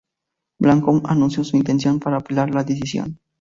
Viacom anunció su intención para apelar la decisión.